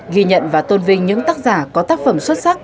ghi nhận và tôn vinh những tác giả có tác phẩm xuất sắc